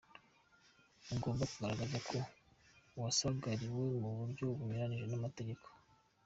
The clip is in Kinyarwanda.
Ugomba kugaragaza ko wasagariwe mu buryo bunyuranije n’amategeko.